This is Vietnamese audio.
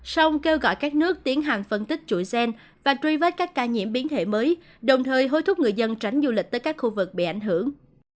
song kêu gọi các nước tiến hành phân tích chuỗi gen và truy vết các ca nhiễm biến thể mới đồng thời hối thúc người dân tránh du lịch tới các khu vực bị ảnh hưởng